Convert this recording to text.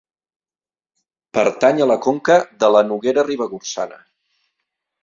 Pertany a la conca de la Noguera Ribagorçana.